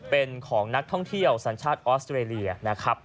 เป็นของนักท่องเที่ยวสัญชาติออสเตรเลียนะครับ